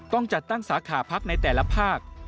ต้องจัดตั้งสาขาพักในแต่ละภาค